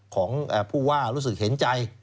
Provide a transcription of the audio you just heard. ของผู้ว่ารู้สึกเห็นใจ